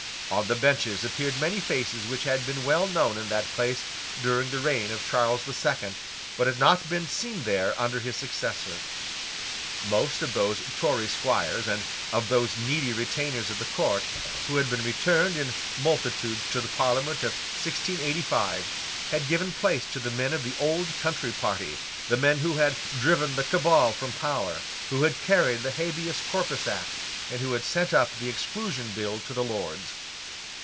On the benches appeared many faces which had been well known in that place during the reign of Charles the Second, but had not been seen there under his successor. Most of those Tory squires, and of those needy retainers of the court, who had been returned in multitudes to the Parliament of 1685, had given place to the men of the old country party, the men who had driven the Cabal from power, who had carried the Habeas Corpus Act, and who had sent up the Exclusion Bill to the Lords.